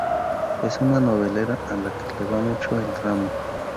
Es una novelera a la que le va mucho el drama